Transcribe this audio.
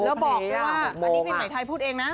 แล้วบอกให้ว่าอันนี้ฟินไหมไทยพูดเองนะ